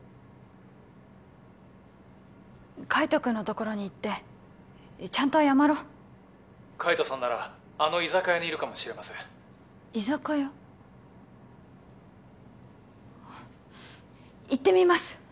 海斗君のところに行ってちゃんと謝ろう海斗さんならあの居酒屋にいるかもしれません居酒屋あっ行ってみます